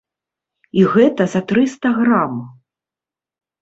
І гэта за трыста грам.